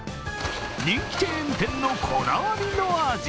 人気チェーン店のこだわりの味。